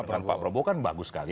dengan pak prabowo kan bagus sekali